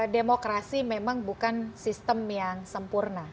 demokrasi memang bukan sistem yang sempurna